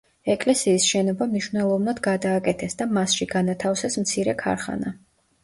ეკლესიის შენობა მნიშვნელოვნად გადააკეთეს და მასში განათავსეს მცირე ქარხანა.